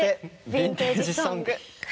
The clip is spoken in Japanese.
ヴィンテージ・ソング』。